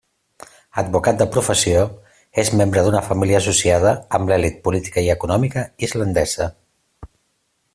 Advocat de professió, és membre d'una família associada amb l'elit política i econòmica islandesa.